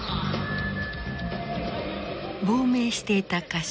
亡命していた歌手